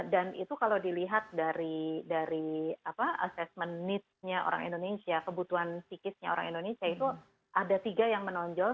dan itu kalau dilihat dari assessment needs nya orang indonesia kebutuhan sikisnya orang indonesia itu ada tiga yang menonjol